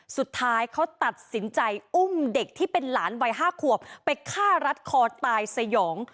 สุดท้ายเขาตัดสินใจอุ้มเด็กที่เป็นหลานวัย๕ขวบไปฆ่ารัดคอตายสยอง